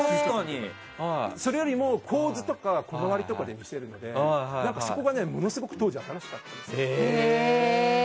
それよりも構図とかで来ているのでそこが、ものすごく当時は新しかったんですよ。